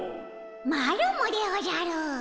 マロもでおじゃる。